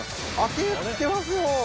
手、振ってますよ。